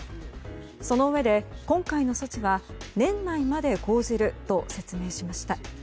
そのうえで、今回の措置は年内まで講じると説明しました。